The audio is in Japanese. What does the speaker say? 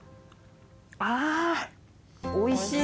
おいしい！